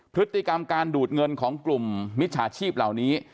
พฤติกรรมการดูดเงินของกลุ่มมิจฉาชีพเหล่านี้